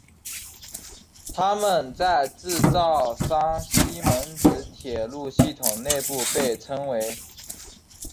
它们在制造商西门子铁路系统内部被称为。